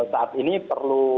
saat ini perlu